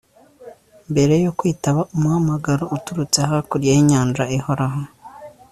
mbere yo kwitaba umuhamagaro uturutse hakurya y'inyanja ihoraho